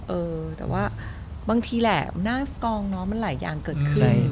เออแต่ว่าบางทีแหละหน้าสกองเนาะมันหลายอย่างเกิดขึ้น